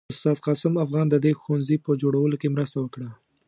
استاد قاسم افغان د دې ښوونځي په جوړولو کې مرسته وکړه.